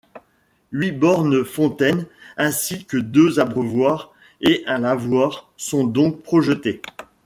Huit bornes-fontaines ainsi que deux abreuvoirs et un lavoir sont donc projetés.